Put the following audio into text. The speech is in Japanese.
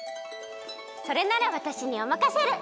それならわたしにおまかシェル！